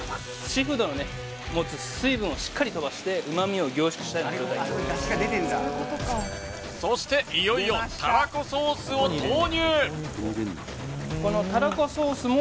シーフードの持つ水分をしっかり飛ばして旨味を凝縮したような状態になりますそしていよいよたらこソースを投入